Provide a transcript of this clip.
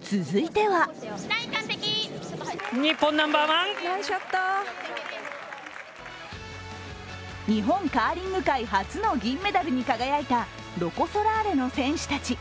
続いては日本カーリング界初の銀メダルに輝いたロコ・ソラーレの選手たち。